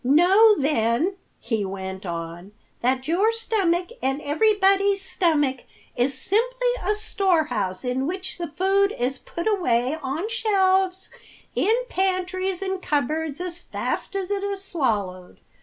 "Know, then," he went on, "that your stomach and everybody's stomach is simply a storehouse in which the food is put away on shelves in pantries and cupboards as fast as it is swallowed.